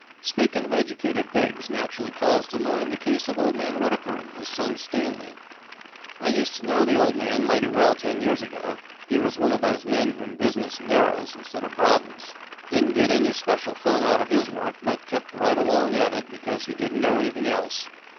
Speaking of educated pigs, naturally calls to mind the case of old man Whitaker and his son, Stanley. I used to know the old man mighty well ten years ago. He was one of those men whom business narrows, instead of broadens. Didn't get any special fun out of his work, but kept right along at it because he didn't know anything else.